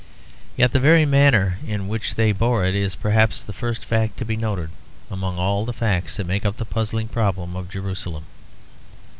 Yet the very manner in which they bore it is perhaps the first fact to be noted among all the facts that make up the puzzling problem of Jerusalem.